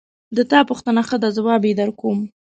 د تا پوښتنه ښه ده ځواب یې درکوم